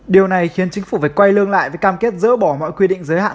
điều này khiến chính phủ phải quay lưng lại với cam kết dỡ bỏ mọi quy định giới hạn